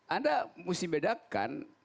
anda mesti bedakan